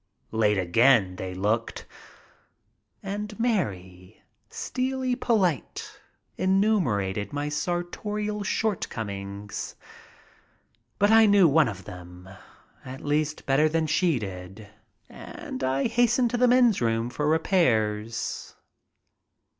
"Late again," they looked. And Mary, steely polite, enumerated my sartorial short comings. But I knew one of them, at le^st better than she 12 MY TRIP ABROAD did, and I hastened to the men's room for repairs.